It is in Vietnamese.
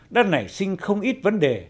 đã nảy sinh không ít vấn đề